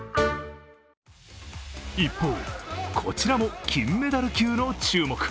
一方、こちらも金メダル級の注目。